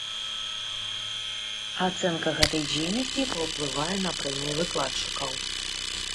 Ацэнка гэтай дзейнасці паўплывае на прэміі выкладчыкаў.